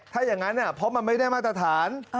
ถ้าอย่างนั้นเพราะมันไม่ได้มาตรฐาน